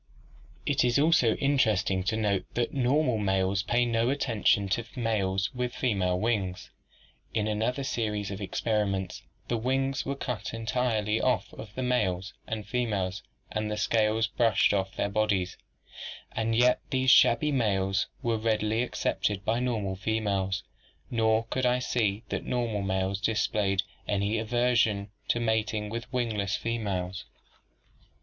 "'It is also interesting to note that normal males pay no attention to males with female wings. "'In another series of experiments the wings were cut entirely off of males and females and the scales brushed off their bodies; and yet these shabby males were readily accepted by normal females nor could I see that normal males displayed any aversion to mating with wingless fe males.